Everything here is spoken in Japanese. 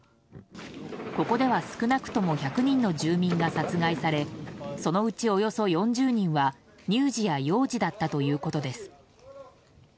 ここでは少なくとも１００人の住民が殺害されそのうち、およそ４０人は乳児や幼児だったということです。